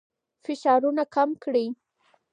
فشارونه کم کړئ.